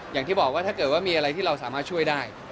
อย่างที่บอกว่าถ้าเกิดว่ามีอะไรที่เราสามารถช่วยได้